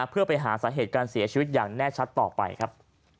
เพื่อไปหาสาเหตุการเสียชีวิตอย่างแน่ชัดต่อไปครับ